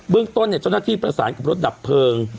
เรื่องต้นเจ้าหน้าที่ประสานกับรถดับเพลิง